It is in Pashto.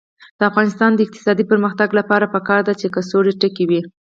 د افغانستان د اقتصادي پرمختګ لپاره پکار ده چې کڅوړې تکې وي.